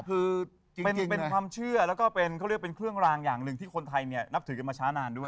คือเป็นความเชื่อแล้วก็เป็นเขาเรียกเป็นเครื่องรางอย่างหนึ่งที่คนไทยเนี่ยนับถือกันมาช้านานด้วย